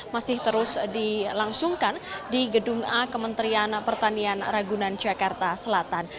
masih terus dilangsungkan di gedung a kementerian pertanian ragunan jakarta selatan